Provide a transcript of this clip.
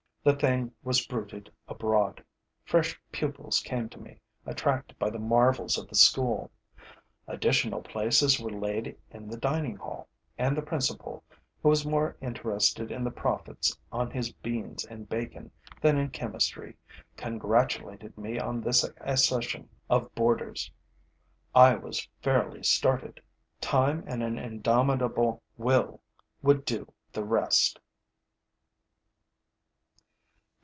The thing was bruited abroad. Fresh pupils came to me, attracted by the marvels of the school. Additional places were laid in the dining hall; and the principal, who was more interested in the profits on his beans and bacon than in chemistry, congratulated me on this accession of boarders. I was fairly started. Time and an indomitable will would do the rest.